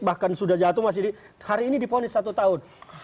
bahkan sudah jatuh masih hari ini diponis satu tahun